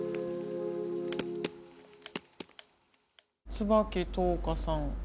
椿冬華さん